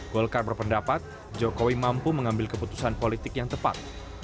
golkar berpendapat jokowi mampu mengambil keputusan politik yang tepat